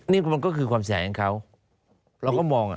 นี่มันก็คือความแสงของเขาเราก็มองอ่ะ